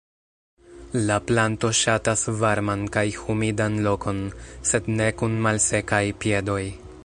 La planto ŝatas varman kaj humidan lokon, sed ne kun "malsekaj piedoj".